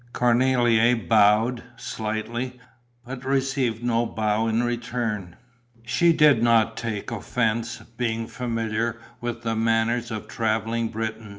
Cornélie bowed slightly, but received no bow in return; she did not take offence, being familiar with the manners of the travelling Briton.